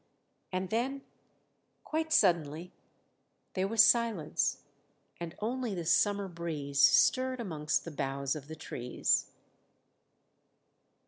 and then, quite suddenly, there was silence, and only the summer breeze stirred amongst the boughs of the trees.